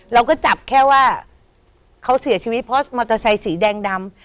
เราก็จับแค่ว่าเขาเสียชีวิตเพราะมอเตอร์ไซสีแดงดำ